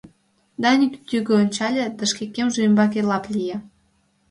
Даник тӱгӧ ончале да шке кемже ӱмбаке лап лие.